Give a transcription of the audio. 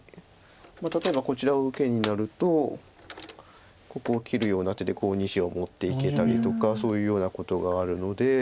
例えばこちらを受けになるとここを切るような手で２子を持っていけたりとかそういうようなことがあるので。